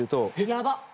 やばっ。